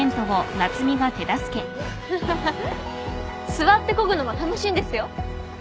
座ってこぐのも楽しいんですよ。